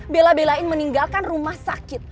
bela belain meninggalkan rumah sakit